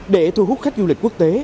để thu hút khách du lịch quốc tế